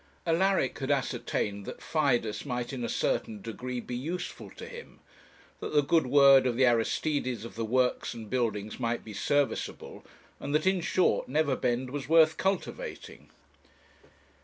Alaric had ascertained that Fidus might in a certain degree be useful to him, that the good word of the Aristides of the Works and Buildings might be serviceable, and that, in short, Neverbend was worth cultivating.